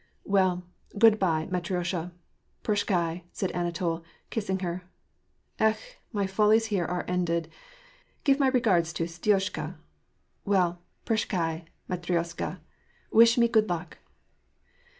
" Well, good by, Matriosha, prashchdi,^^ said Anatol, kissing her. " Ekh ! my follies here are ended. Give my regards to Stioshka. Well, /jrcwAcAaV, Matrioshka. Wish me good luck."